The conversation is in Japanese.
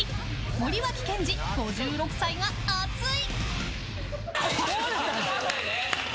森脇健児、５６歳が熱い。